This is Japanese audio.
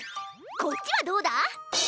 こっちはどうだ？